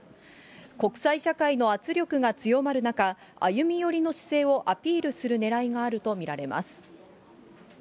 国際社会の圧力が強まる中、歩み寄りの姿勢をアピールするねらいがあると見られます。